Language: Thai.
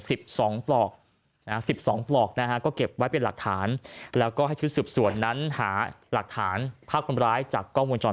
สิบสองปรอกก็เก็บไว้เป็นหลักฐานแล้วก็ให้ชื่อสืบส่วนนั้นหาหลักฐานภาพคนร้ายจากกล้องวงจร